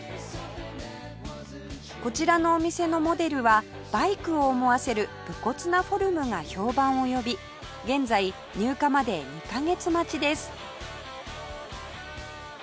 こちらのお店のモデルはバイクを思わせる無骨なフォルムが評判を呼び現在入荷まで２カ月待ちです